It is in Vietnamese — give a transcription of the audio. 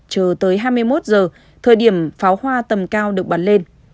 chờ tới hai mươi một giờ thời điểm pháo hoa tầm cao được bắn lên